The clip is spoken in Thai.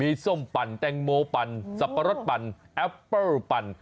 อุ้ยส้มปั่นแตงโม้ปั่นสัปดาห์ปั่นแอปเปิลปั่น